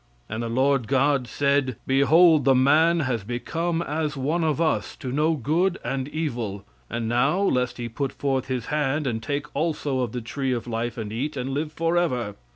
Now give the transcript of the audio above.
And the Lord God said, Behold the man has become as one of us, to know good and evil; and now, lest he put forth his hand, and take also of the tree of life and eat, and live forever.